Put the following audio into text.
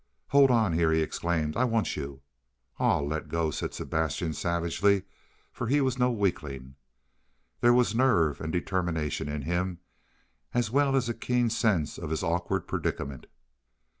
"Hold on here," he exclaimed. "I want you." "Aw, let go," said Sebastian savagely, for he was no weakling. There was nerve and determination in him, as well as a keen sense of his awkward predicament.